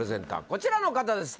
こちらの方です